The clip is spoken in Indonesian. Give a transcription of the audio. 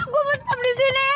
gue mau tetap disini